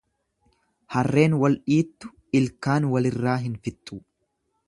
Harreen wal dhiittu ilkaan walirraa hin fixxu.